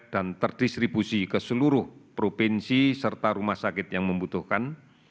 dan terdistribusi ke seluruh provinsi serta rumah sakit yang membutuhkan